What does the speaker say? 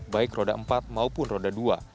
baik roda empat maupun roda dua